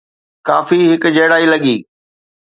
ڪافي هڪجهڙائي لڳي.